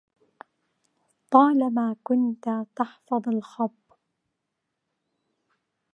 طالما كنت قبلها تحفظ الخب